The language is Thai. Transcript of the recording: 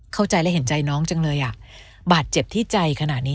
เข้าใจและเห็นใจน้องจังเลยอ่ะบาดเจ็บที่ใจขนาดนี้